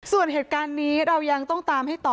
ส่วนเหตุการณ์นี้เรายังต้องตามให้ต่อ